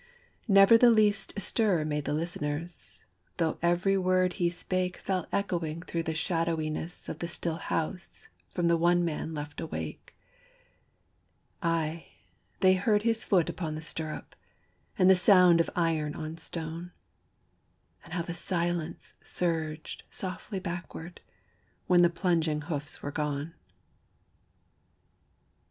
Never the least stir made the listeners, Though every word he spake Fell echoing through the shadowiness of the still house From the one man left awake: Aye, they heard his foot upon the stirrup, And the sound of iron on stone, And how the silence surged softly backward, When the plunging hoofs were gone.